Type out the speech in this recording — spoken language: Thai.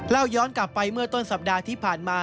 ย้อนกลับไปเมื่อต้นสัปดาห์ที่ผ่านมา